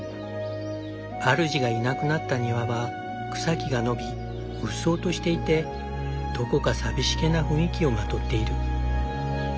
主がいなくなった庭は草木が伸びうっそうとしていてどこか寂しげな雰囲気をまとっている。